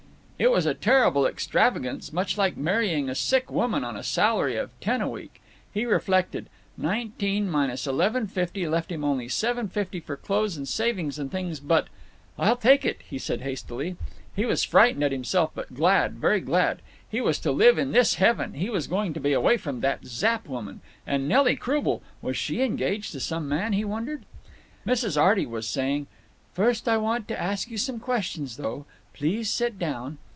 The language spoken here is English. It was a terrible extravagance; much like marrying a sick woman on a salary of ten a week, he reflected; nine teen minus eleven fifty left him only seven fifty for clothes and savings and things and—but—" I'll take it," he said, hastily. He was frightened at himself, but glad, very glad. He was to live in this heaven; he was going to be away from that Zapp woman; and Nelly Croubel—Was she engaged to some man? he wondered. Mrs. Arty was saying: "First, I want to ask you some questions, though. Please sit down."